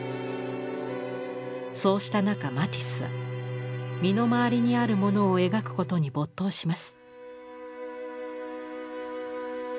そうした中マティスは身の回りにあるものを描くことに没頭します。